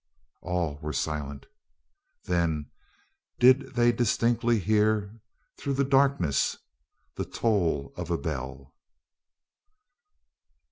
All were silent. Then did they distinctly hear through the darkness the toll of a bell.